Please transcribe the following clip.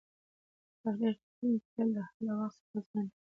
تاریخ لیکونکی تل د حال له وخت څخه اغېزمن وي.